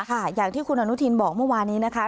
อย่างที่คุณอนุทินบอกเมื่อวานี้นะคะ